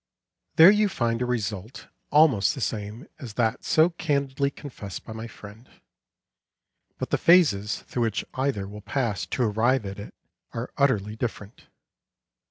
There you find a result almost the same as that so candidly confessed by my friend; but the phases through which either will pass to arrive at it are utterly different.